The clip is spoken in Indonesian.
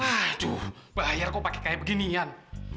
aduh bayar kok pakai kayak beginian